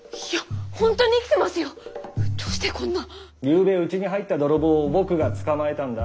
ゆうべうちに入った泥棒を僕が捕まえたんだ。